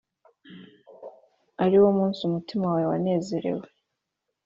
Ari wo munsi umutima we wanezerewe